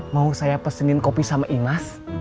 mau saya pesenin kopi sama inas